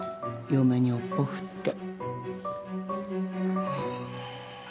嫁に尾っぽ振って。